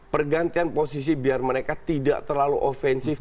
pergantian posisi biar mereka tidak terlalu offensif